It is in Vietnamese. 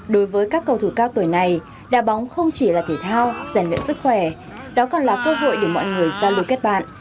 đối với các cầu thủ cao tuổi này đà bóng không chỉ là thể thao rèn luyện sức khỏe đó còn là cơ hội để mọi người giao lưu kết bạn